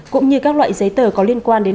cũng như các loại giấy tờ có liên quan đến